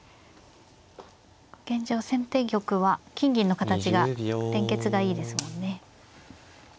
現状先手玉は金銀の形が連結がいいですもんね。